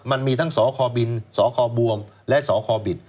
มันมีทั้งสคบินสคบวมและสคบิด